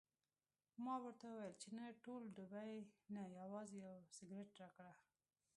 ما ورته وویل چې نه ټول ډبې نه، یوازې یو سګرټ راکړه.